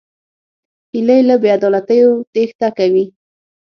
هیلۍ له بېعدالتیو تېښته کوي